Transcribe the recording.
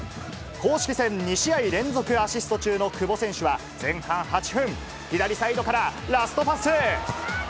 公式戦２試合連続アシスト中の久保選手は前半８分、左サイドからラストパス。